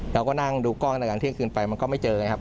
เราก็นั่งดูกล้องอะไรอย่างเที่ยงคืนไปก็ไม่เจอเลยครับ